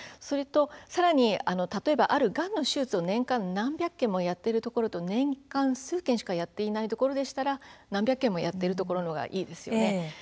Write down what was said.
さらに、例えば、がんの手術を年間、何百件やっているところと数件しかやっていないところでしたら何百件やっている病院の方がいいですよね。